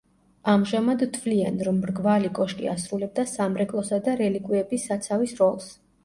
ამჟამად თვლიან, რომ მრგვალი კოშკი ასრულებდა სამრეკლოსა და რელიკვიების საცავის როლს.